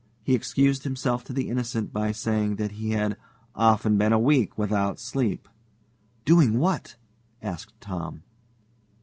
He excused himself to the Innocent by saying that he had "often been a week without sleep." "Doing what?" asked Tom.